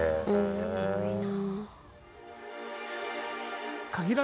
すごいな。